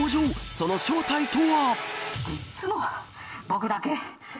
その正体とは。